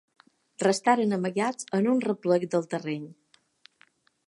Restaren amagats en un replec del terreny.